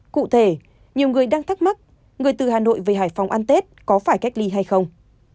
cụ thể nhiều người đang thắc mắc người từ hà nội về hải phòng ăn tết có phải cách ly hay không